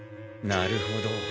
なるほど。